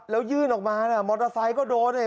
แล้วยื่นออกมาน่ะมอเตอร์ไซค์ก็โดนเนี่ย